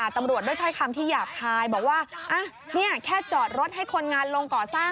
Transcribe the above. ตำรวจก็พยายามนะคะ